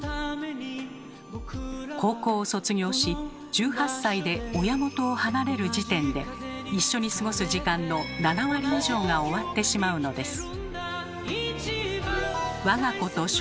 高校を卒業し１８歳で親元を離れる時点で一緒に過ごす時間の７割以上が終わってしまうのです。